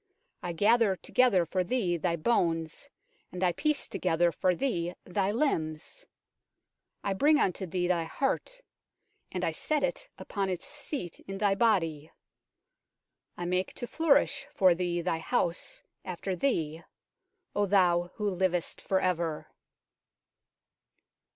I gather together for thee thy bones and I piece together for thee thy limbs. I bring unto thee thy heart, and I set it upon its seat in thy body. I make to flourish for thee thy house after thee, O thou who livest for ever